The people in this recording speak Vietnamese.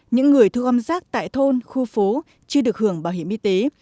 những người thu gom rác tại thôn khu phố chưa được hưởng bảo hiểm y tế